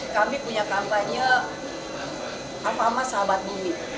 kami punya kampanye alfamah sahabat bumi